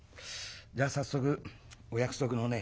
じゃあ早速お約束のね